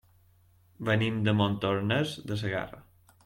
Venim de Montornès de Segarra.